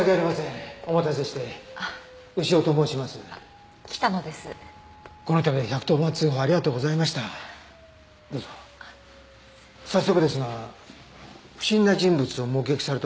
早速ですが不審な人物を目撃されたそうですね。